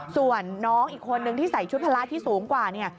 ส่วนน้องอีกคนนึงที่ใส่ชุดพละที่สูงกว่าเนี่ย